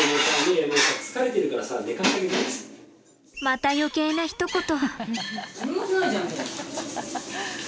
また余計なひと言。